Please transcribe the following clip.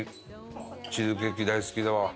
チーズケーキ大好きだわ。